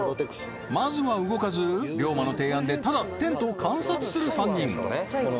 まずは動かず涼真の提案でただテントを観察する３人最後？